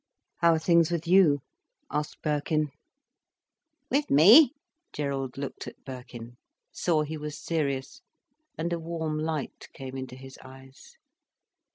"How are things with you?" asked Birkin. "With me?" Gerald looked at Birkin, saw he was serious, and a warm light came into his eyes.